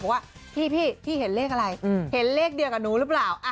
ว่าพี่เห็นเลขอะไรเห็นเลขเดียวกับหนูหรือเปล่า